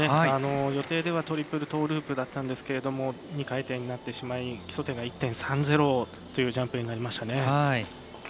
予定ではトリプルトーループだったんですけど２回転になってしまい基礎点が１．３０というジャンプになりましたね。